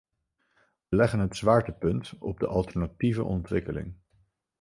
We leggen het zwaartepunt op de alternatieve ontwikkeling.